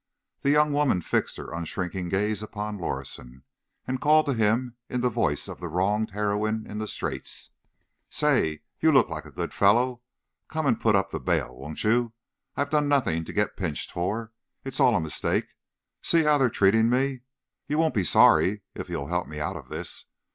The young woman fixed her unshrinking gaze upon Lorison, and called to him in the voice of the wronged heroine in straits: "Say! You look like a good fellow; come and put up the bail, won't you? I've done nothing to get pinched for. It's all a mistake. See how they're treating me! You won't be sorry, if you'll help me out of this.